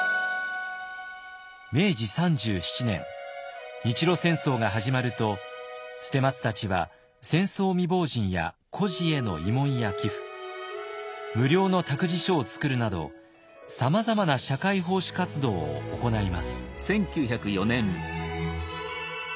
明治３７年日露戦争が始まると捨松たちは戦争未亡人や孤児への慰問や寄付無料の託児所を作るなどさまざまな社会奉仕活動を行います。